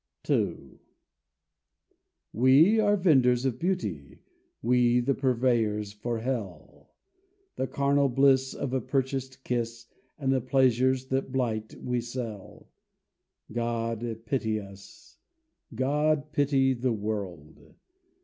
II We are the vendors of beauty, We the purveyors for hell; The carnal bliss of a purchased kiss And the pleasures that blight, we sell. God pity us; God pity the world.